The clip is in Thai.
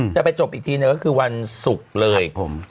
แต่ไปจบอีกทีก็คือวันศุกร์เลย